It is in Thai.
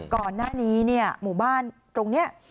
ก่อนหน้านี้เนี่ยหมู่บ้านตรงนี้